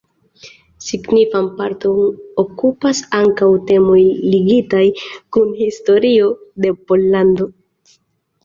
Signifan parton okupas ankaŭ temoj ligitaj kun historio de Pollando.